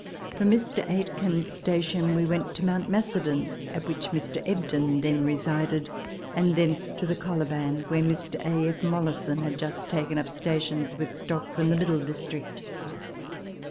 From Mr. Aitken's station we went to Mount Macedon, at which Mr. Ebden then resided, and thence to the Coliban, where Mr. A. F. Mollison had jnst taken up stations, with stock from the Middle District.